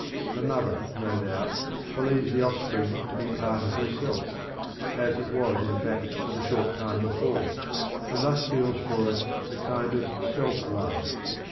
The mother no doubt believes the offspring to be part of herself, as it was in fact but a short time before, and thus feels for it a kind of self love.